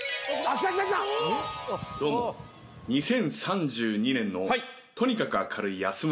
どうも２０３２年のとにかく明るい安村です。